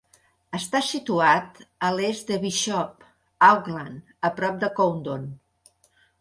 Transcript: Està situat a l'est de Bishop Auckland, a prop de Coundon.